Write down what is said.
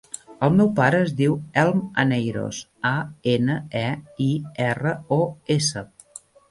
El meu pare es diu Elm Aneiros: a, ena, e, i, erra, o, essa.